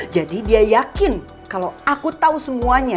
jadi dia yakin kalau aku tau semuanya